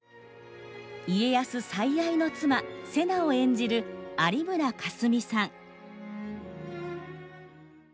家康最愛の妻瀬名を演じる有村架純さん。